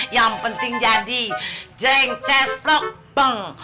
yang penting jadi jeng ces blok beng